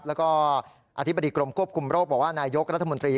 แล้วก็อธิบดีกรมควบคุมโรคบอกว่านายกรัฐมนตรี